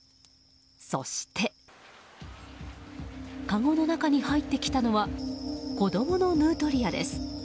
そしてかごの中に入ってきたのは子供のヌートリアです。